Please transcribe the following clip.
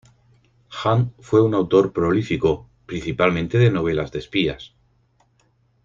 Hunt fue un autor prolífico, principalmente de novelas de espías.